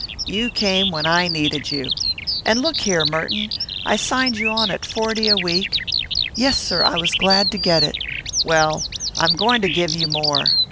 You came when I needed you. And, look here, Merton, I signed you on at forty a week " "Yes, sir: I was glad to get it." "Well, I'm going to give you more.